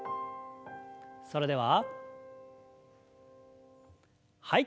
それでははい。